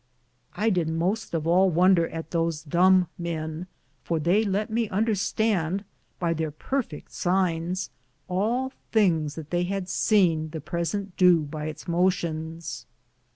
I did moste of all wonder at those dumb men, for they lett me understande by theire perfitt sins (signs) all thinges that they had sene the presente dow by its motions.